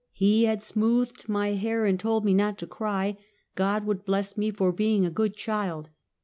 He had smoothed my hair and told me not to cry ; God would bless me for being a good child.